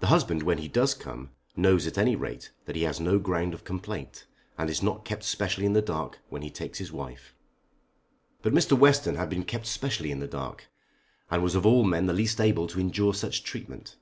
The husband when he does come knows at any rate that he has no ground of complaint, and is not kept specially in the dark when he takes his wife. But Mr. Western had been kept specially in the dark, and was of all men the least able to endure such treatment.